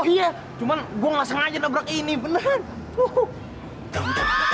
iya cuman gue gak sengaja nabrak ini beneran